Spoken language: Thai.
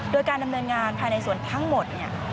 โดยการดำเนินงานภายในส่วนทั้งหมดเนี่ย